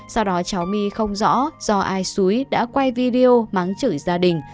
sau đó cháu my không rõ do ai xúi đã quay video mắng chửi gia đình